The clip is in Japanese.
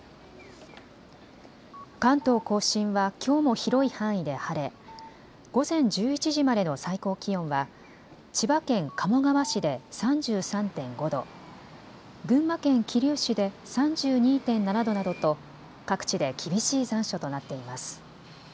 関東甲信はきょうも広い範囲で晴れ、午前１１時までの最高気温は千葉県鴨川市で３３．５度、群馬県桐生市で３２．７度などと各地で厳しい残暑となっています。